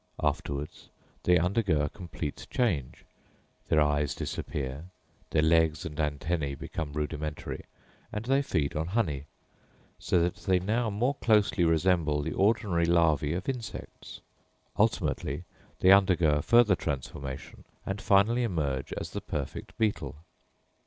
Afterwards they undergo a complete change; their eyes disappear; their legs and antennæ become rudimentary, and they feed on honey; so that they now more closely resemble the ordinary larvæ of insects; ultimately they undergo a further transformation, and finally emerge as the perfect beetle.